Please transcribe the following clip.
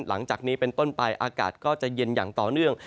หลังจากนี้เป็นต้นไปอากาศก็จะเย็นอย่างต่อเนื่อง